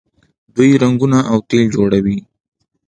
دوی رنګونه او تیل جوړوي.